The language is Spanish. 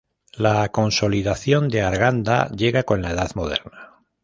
La consolidación de Arganda llega con la Edad Moderna.